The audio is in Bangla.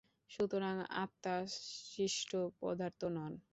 সুতরাং আত্মা সৃষ্ট পদার্থ নন।